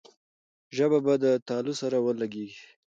ژبه به د تالو سره ولګېږي.